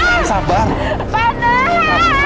istri saya kejepit